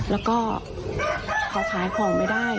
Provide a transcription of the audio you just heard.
แล้วก็เขาขายของไม่ได้